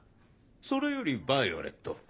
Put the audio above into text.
それよりヴァイオレット。